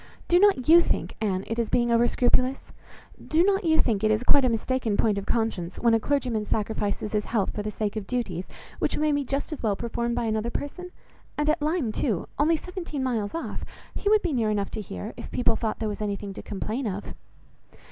Do not you think, Anne, it is being over scrupulous? Do not you think it is quite a mistaken point of conscience, when a clergyman sacrifices his health for the sake of duties, which may be just as well performed by another person? And at Lyme too, only seventeen miles off, he would be near enough to hear, if people thought there was anything to complain of."